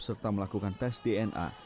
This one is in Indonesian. serta melakukan tes dna